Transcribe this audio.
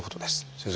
先生